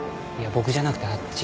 僕じゃなくてあっち。